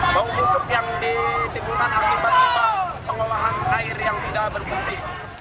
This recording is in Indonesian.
bau busuk yang ditimbulkan akibat pengolahan air yang tidak berfungsi